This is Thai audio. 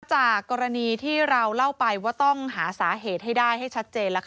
จากกรณีที่เราเล่าไปว่าต้องหาสาเหตุให้ได้ให้ชัดเจน